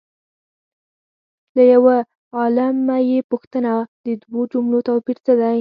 له یو عالمه یې وپوښتل د دوو جملو توپیر څه دی؟